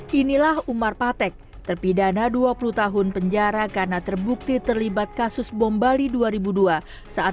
hai inilah umar patek terpidana dua puluh tahun penjara karena terbukti terlibat kasus bom bali dua ribu dua saat